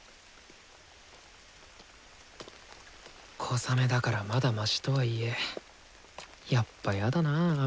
小雨だからまだマシとはいえやっぱやだなぁ雨。